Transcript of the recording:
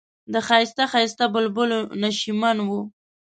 د ښایسته ښایسته بلبلو نشیمن و.